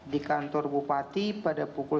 di kantor bupati pada pukul sebelas tiga puluh lima